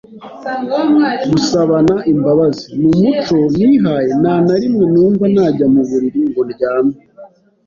GUSABANA IMBABAZI : Mu muco nihaye, nta narimwe numva najya mu buriri ngo ndyame